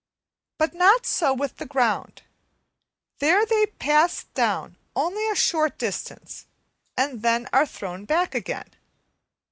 But not so with the ground; there they pass down only a short distance and then are thrown back again.